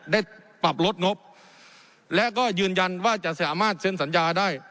ได้ปรับลดงบและก็ยืนยันว่าจะสามารถเซ็นสัญญาได้